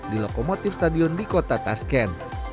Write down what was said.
di lokomotif stadion di kota tasken